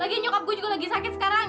lagi nyokap gue juga lagi sakit sekarang